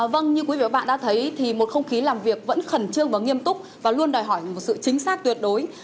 vâng như quý vị và các bạn đã thấy thì một không khí làm việc vẫn khẩn trương và nghiêm túc và luôn đòi hỏi một sự chính xác tuyệt đối